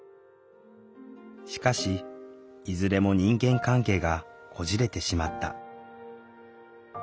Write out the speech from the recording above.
しかしいずれも人間関係がこじれてしまった。